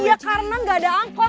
iya karena nggak ada angkot